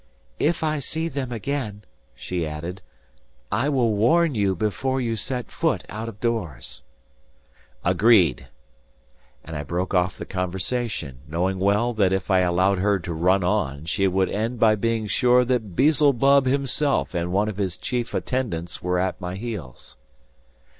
"If I see them again," she added, "I will warn you before you set foot out of doors." "Agreed!" And I broke off the conversation, knowing well that if I allowed her to run on, she would end by being sure that Beelzebub himself and one of his chief attendants were at my heels.